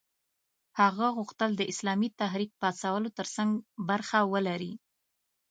هغه غوښتل د اسلامي تحریک پاڅولو ترڅنګ برخه ولري.